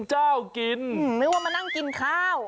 เหมือนว่ามานั่งกินข้าว